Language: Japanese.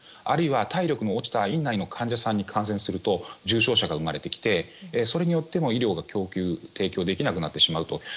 あるいは体力の落ちた院内の患者さんに感染すると重症者が生まれてきてそれによっても医療が提供できなくなってしまうと。